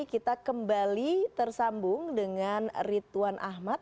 kita kembali tersambung dengan ritwan ahmad